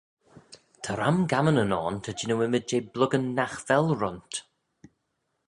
Ta ram gammanyn ayn ta jannoo ymmyd jeh bluckan nagh vel runt!